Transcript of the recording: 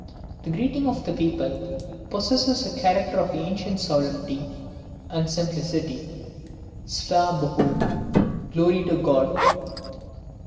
The greeting of the people possesses a character of ancient solemnity and simplicity: SLAWA BOHU: "Glory to God."